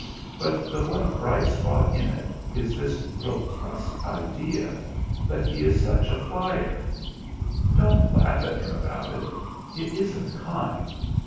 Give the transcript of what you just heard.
But the one bright spot in it is this grotesque idea that he is such a flyer. Don't laugh at him about it: it isn't kind.